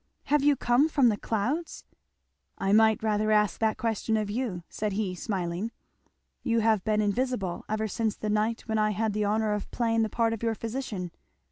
"Have you come from the clouds?" "I might rather ask that question of you," said he smiling. "You have been invisible ever since the night when I had the honour of playing the part of your physician."